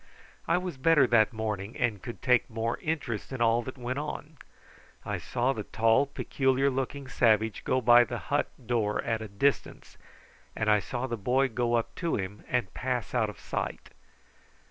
I was better that morning, and could take more interest in all that went on. I saw the tall, peculiar looking savage go by the hut door at a distance, and I saw the boy go up to him and pass out of sight.